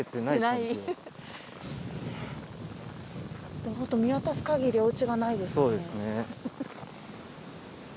でもホント見渡す限りお家がないですね。